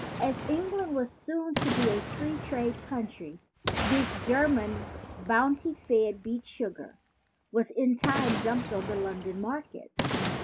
As Eng land was soon to be a free trade country, this German bounty fed beet sugar was in time dumped on the London market.